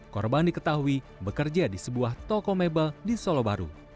korban diketahui bekerja di sebuah toko mebel di solo baru